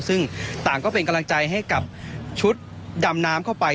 ซึ่งต่างก็เป็นกำลังใจให้กับชุดดำน้ำเข้าไป